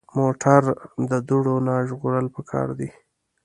موټر د دوړو نه ژغورل پکار دي.